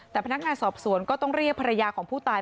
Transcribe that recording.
แต่พนักงานสอบสวนก็ต้องเรียกภรรยาของผู้ตาย